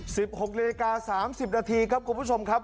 สิบหกนิดนาทีสามสิบนาทีครับคุณผู้ชมครับ